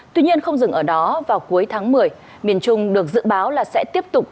tuy nhiên không dừng ở đó vào cuối tháng một mươi miền trung được dự báo là sẽ tiếp tục